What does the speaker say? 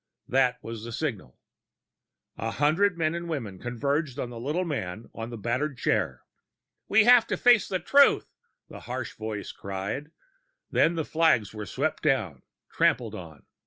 That was the signal. A hundred men and women converged on the little man on the battered chair. "We have to face the truth!" the harsh voice cried; then the flags were swept down, trampled on.